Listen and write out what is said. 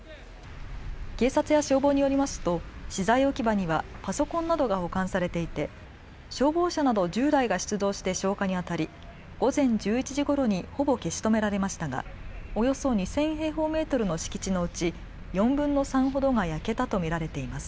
警察や消防によりますと資材置き場にはパソコンなどが保管されていて消防車など１０台が出動して消火にあたり午前１１時ごろにほぼ消し止められましたがおよそ２０００平方メートルの敷地のうち４分の３ほどが焼けたと見られています。